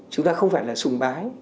chúng ta không phải là sùng bái